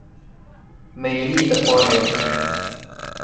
美丽的花莲